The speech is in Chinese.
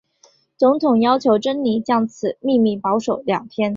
总统要求珍妮将此秘密保守两天。